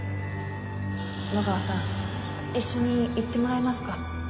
野川さん一緒に行ってもらえますか？